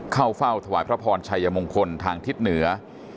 เข้าเฝ้าถวายพระพรชัยมงคลทางทิศเหนือ